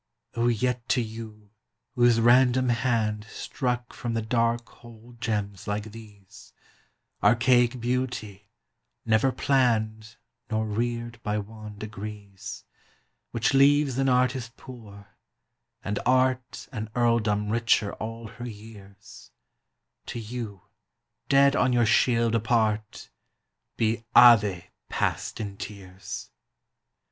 O yet to you, whose random hand Struck from the dark whole gems like these, Archaic beauty, never planned Nor reared by wan degrees, Which leaves an artist poor, and art An earldom richer all her years; To you, dead on your shield apart, Be "Ave!" passed in tears.